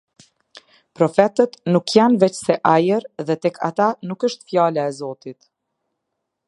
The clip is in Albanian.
Profetët nuk janë veçse ajër dhe tek ata nuk është fjala e Zotit.